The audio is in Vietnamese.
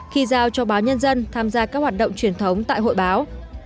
khi giao cho báo nhân dân tham gia các hoạt động truyền thống tại hội báo